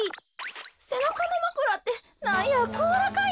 せなかのまくらってなんやこうらかいな。